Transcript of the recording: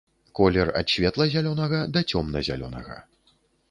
Колер ад светла-зялёнага да цёмна-зялёнага.